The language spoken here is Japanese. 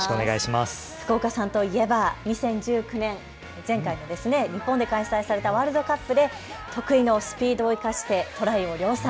福岡さんといえば、２０１９年、前回、日本で開催されたワールドカップで得意のスピードを生かしてトライを量産。